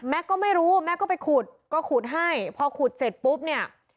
ก็ไม่รู้แม่ก็ไปขุดก็ขุดให้พอขุดเสร็จปุ๊บเนี่ย